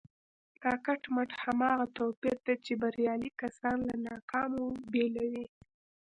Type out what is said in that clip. دا کټ مټ هماغه توپير دی چې بريالي کسان له ناکامو بېلوي.